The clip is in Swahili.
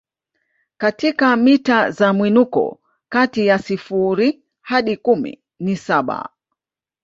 katika mita za mwinuko kati ya sifuri hadi kumi na saba